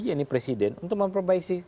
yang ini presiden untuk memperbaiki